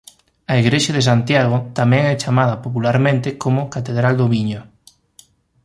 A igrexa de Santiago tamén é chamada popularmente como Catedral do Viño.